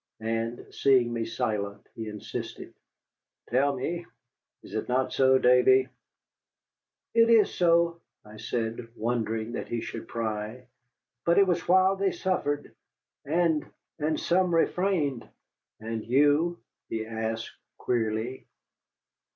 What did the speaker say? And seeing me silent, he insisted, "Tell me, is it not so, Davy?" "It is so," I said, wondering that he should pry, "but it was while they suffered. And and some refrained." "And you?" he asked queerly.